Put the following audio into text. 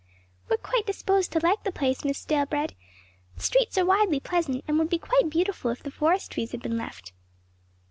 "We are quite disposed to like the place Miss Stalebread; the streets are widely pleasant and would be quite beautiful if the forest trees had been left."